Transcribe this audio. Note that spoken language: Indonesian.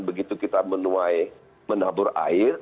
begitu kita menuai menabur air